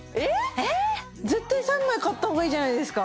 絶対３枚買った方がいいじゃないですか！